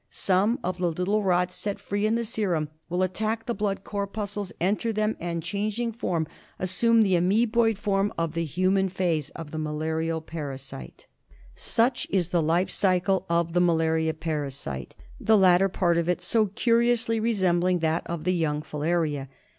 Some of the little rods set free in the serum will attack the blood cor puscles, enter them, and, changing form, assume the amoeboid form of the human phase of the ma laria parasite. Such is the life cycle of the malaria parasite, the latter part of it so curiously resembling that of the young filaria.